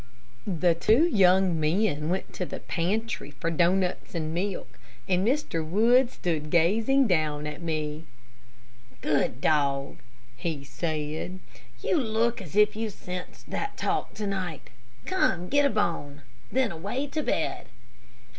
The two young men went to the pantry for doughnuts and milk, and Mr. Wood stood gazing down at me. "Good dog," he said; "you look as if you sensed that talk to night. Come, get a bone, and then away to bed."